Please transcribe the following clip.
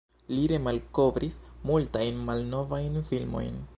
Li remalkovris multajn malnovajn filmojn.